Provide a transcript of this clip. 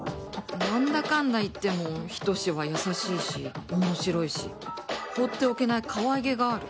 何だかんだ言っても仁は優しいし面白いし放っておけない可愛げがある。